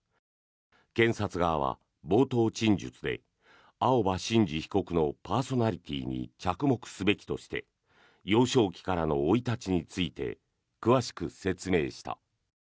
検察側は冒頭陳述で青葉真司被告のパーソナリティーに着目すべきとして幼少期からの生い立ちについて詳しく説明した。